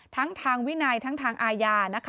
ทั้งทางวินัยทั้งทางอาญานะคะ